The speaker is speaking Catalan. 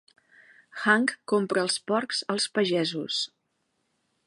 Hank compra els porcs als pagesos.